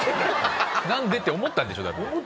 「何で？」って思ったんでしょ？